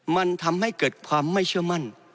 มันทำให้เกิดความไม่เชื่อมั่น